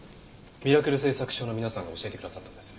ミラクル製作所の皆さんが教えてくださったんです。